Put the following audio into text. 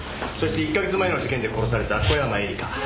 そして１カ月前の事件で殺された小山絵里香。